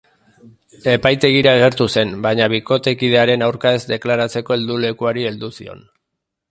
Epaitegira agertu zen, baina bikotekidearen aurka ez deklaratzeko heldulekuari heldu zion.